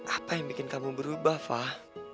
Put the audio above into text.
apa yang bikin kamu berubah fah